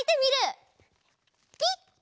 ピッ！